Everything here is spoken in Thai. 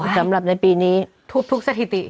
สำหรับในปีนี้ทุกสถิติ